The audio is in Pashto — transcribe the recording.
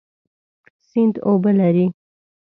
سیند اوبه لري.